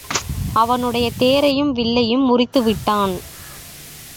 அவனுடைய தேரையும் வில்லையும் முறித்து விட்டான்.